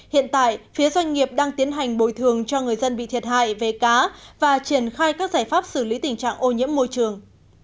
hiện tại phía doanh nghiệp đang tiến hành bồi thường cho người dân bị thiệt hại về cá và triển khai các giải pháp xử lý tình trạng ô nhiễm môi trường